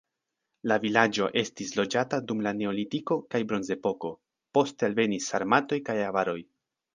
La vilaĝo estis loĝata dum la neolitiko kaj bronzepoko, poste alvenis sarmatoj kaj avaroj.